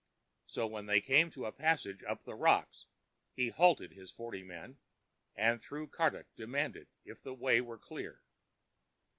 So when they came to a passage up the rocks, he halted his forty men, and through Karduk demanded if the way were clear.